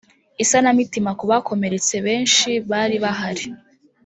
isanamitima ku bakomeretse benshi bari bahari